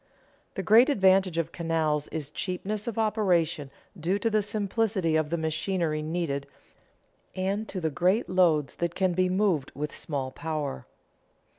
The great advantage of canals is cheapness of operation due to the simplicity of the machinery needed and to the great loads that can be moved with small power.